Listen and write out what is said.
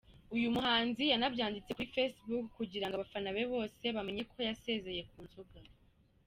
Uyu muhanzi yanabyanditse kuri facebook kugirango abafana be bose bamenye ko yasezeye ku nzoga.